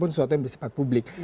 sesuatu yang bersepat publik